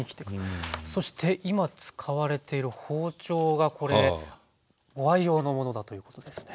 そして今使われている包丁がこれご愛用のものだということですね。